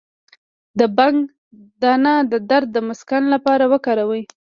د بنګ دانه د درد د مسکن لپاره وکاروئ